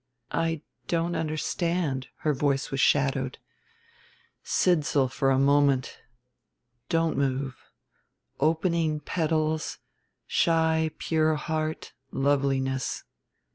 "I don't understand," her voice was shadowed. "Sidsall for a moment. Don't move opening petals, shy pure heart...loveliness...."